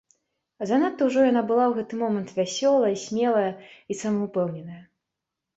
Занадта ўжо яна была ў гэты момант вясёлая, смелая і самаўпэўненая.